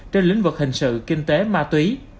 trên lĩnh vực hình sự kinh tế ma túy